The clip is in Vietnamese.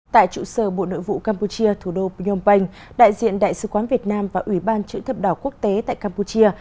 tại trụ sở bộ nội vụ campuchia thủ đô phnom penh đại diện đại sứ quán việt nam và ủy ban chữ thập đỏ quốc tế tại campuchia